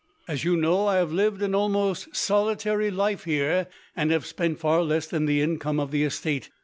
As you know, I have lived an almost solitary life here, and have spent far less than the income of the estate.